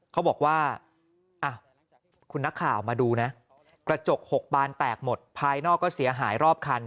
เขาบอกว่าคุณนักข่าวมาดูนะกระจก๖บานแตกหมดภายนอกก็เสียหายรอบคัน